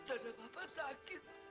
dada bapak sakit